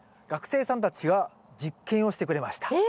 学生さんたちが実験をしてくれました。